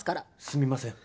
すみません。